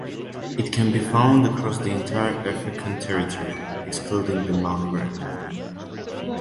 It can be found across the entire African territory, excluding the Maghreb.